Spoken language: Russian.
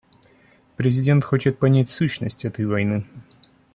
Президент хочет понять сущность этой войны.